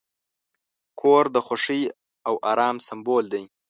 کور د خوښۍ او آرام سمبول دی.